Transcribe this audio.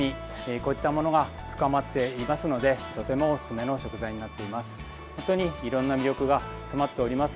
こういったものが深まっていますのでとても、おすすめの食材になっています。